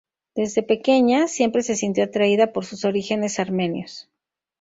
Desde pequeña, siempre se sintió atraída por sus orígenes armenios.